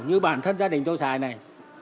như bản thân gia đình tôi xài này